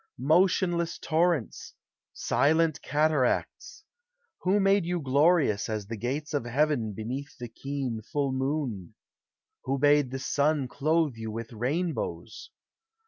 Motionless torrents! silent cataracts! Who made you glorious as the gates of Heaven Beneath the keen full moon? Who bade the sun Clothe you with rainbows?